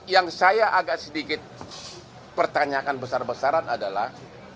yang saya agak sedikit pertanyakan besar besaran adalah